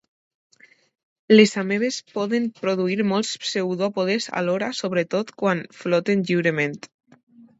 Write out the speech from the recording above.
Les amebes poden produir molts pseudòpodes alhora, sobretot quan floten lliurement.